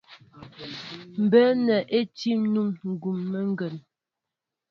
Mbə̌ nɛ́ i tí muŋ gʉ́meŋgên.